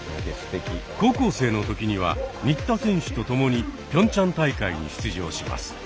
高校生の時には新田選手と共にピョンチャン大会に出場します。